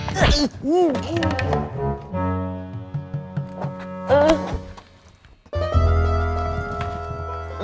kamu enggak cosas